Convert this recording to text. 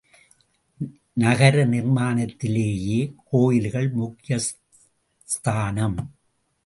நகர நிர்மாணத்திலேயே கோயில்கள் முக்கியஸ்தானம்.